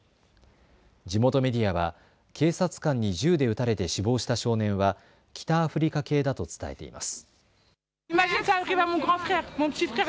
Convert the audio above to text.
地元メディアは警察官に銃で撃たれて死亡した少年は北アフリカ系だと伝えています。